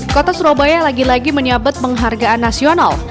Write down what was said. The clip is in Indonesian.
kota surabaya lagi lagi menyabet penghargaan nasional